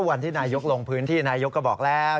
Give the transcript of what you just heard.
วันที่นายกลงพื้นที่นายกก็บอกแล้ว